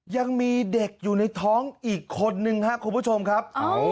ยังมีเด็กอยู่ในท้องอีกคนนึงครับคุณผู้ชมครับ